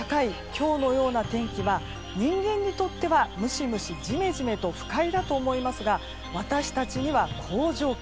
今日のような天気は人間にとってはムシムシジメジメと不快だと思いますが私たちには好条件。